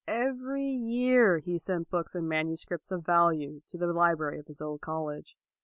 Every year he sent books and manuscripts of value to the library of his old college.